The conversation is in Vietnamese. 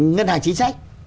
ngân hàng chính sách